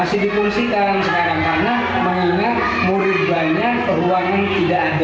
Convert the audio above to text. masih dipungsikan sekarang karena mengingat murid banyak ruangan tidak ada